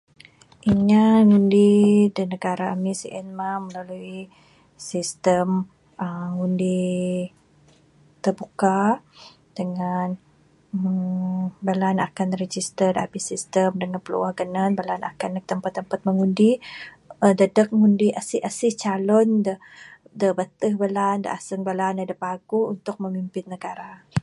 Inya ngundi da negara ami sien mah melalui sistem ngundi terbuka dangan uhh bala ne akan register da abih sistem da ne piluah ganan bala ne akan neg tempat-tempat mengundi dadeg mengundi asih-asih calon da...da bateh bala da aseng bala ne da paguh untuk memimpin negara.